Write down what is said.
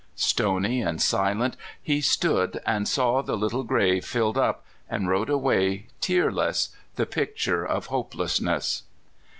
Stony and silent he stood and saw the little grave filled up, and rode away tearless, the picture of hopelessness.